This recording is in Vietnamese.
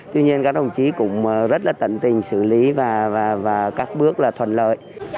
tuy nhiên các đồng chí cũng rất là tận tình xử lý và các bước là thuận lợi